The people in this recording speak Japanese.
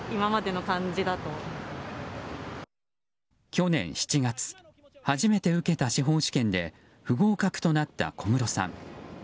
去年７月初めて受けた司法試験で不合格となった小室さん。